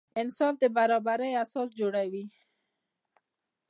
انصاف د برابري اساس جوړوي.